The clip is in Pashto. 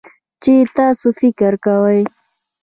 چې تاسو فکر کوئ